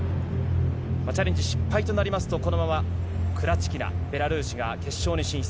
チャレンジ失敗となりますと、このままクラチキナ、ベラルーシが決勝に進出。